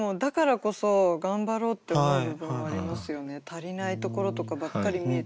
足りないところとかばっかり見えてきちゃう。